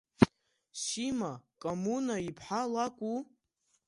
Сима Комуна-иԥҳа лакәу?